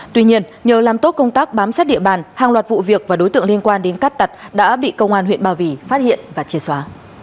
tuy nhiên nhờ làm tốt công tác bám sát địa bàn hàng loạt vụ việc và đối tượng liên quan đến cát tặc đã bị công an huyện ba vì phát hiện và chìa xóa